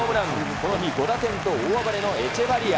この日、５打点と大暴れのエチェバリア。